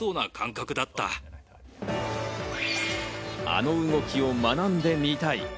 あの動きを学んでみたい。